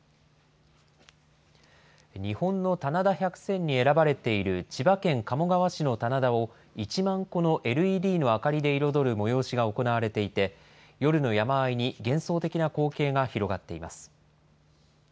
日本の棚田百選に選ばれている千葉県鴨川市の棚田を１万個のＬＥＤの明かりで彩る催しが行われていて、夜の山あいに幻想的な光景が広がっています。